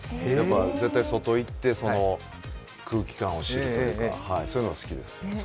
絶対外行ってその空気感を知るというか、そういうのが好きです。